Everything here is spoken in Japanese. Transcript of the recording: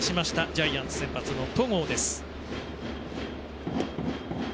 ジャイアンツ先発の戸郷です。